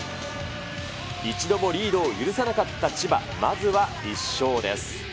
一度もリードを許さなかった千葉、まずは１勝です。